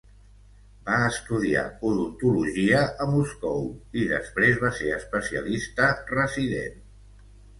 Va estudiar odontologia a Moscou, i després va ser especialista resident.